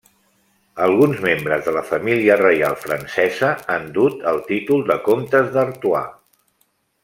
Alguns membres de la família reial francesa han dut el títol de comtes d'Artois.